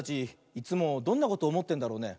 いつもどんなことおもってんだろうね。